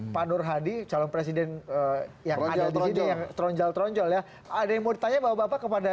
panur hadi calon presiden yang ada di sini yang teronjol teronjol ya ada yang mau ditanya kepada